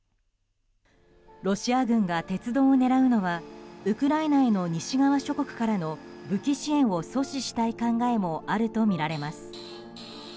ロシア軍が鉄道を狙うのはウクライナへの西側諸国からの武器支援を阻止したい考えもあるといいます。